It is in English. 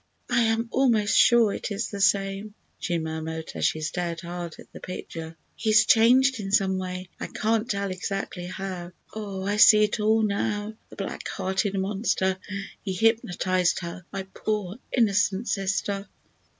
"I am almost sure it is the same," she murmured as she stared hard at the picture. "He is changed in some way, I can't tell exactly how. Oh, I see it all now! The black hearted monster! He hypnotized her, my poor, innocent sister!"